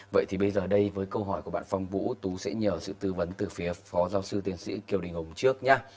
vậy thì bây giờ đây với câu hỏi của bạn phong vũ tú sẽ nhờ sự tư vấn từ phía phó giáo sư tiến sĩ kiều đình hồng trước nhé